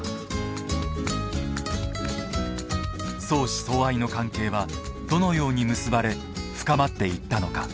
相思相愛の関係はどのように結ばれ深まっていったのか。